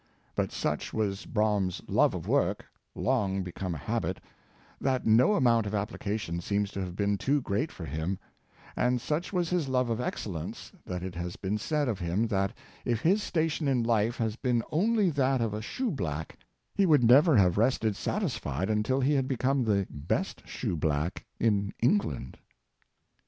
But such was Brougham's love of work — long become a habit — that no amount of appHcation seems to have been too great for him ; and such was his love of excellence, that it has been said of him that if his station in life had been only that of a shoeblack he would never have rested satisfied until he had become the best shoeblack in England.